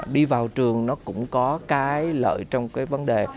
đi vào trường nó cũng có cái lợi trong cái vấn đề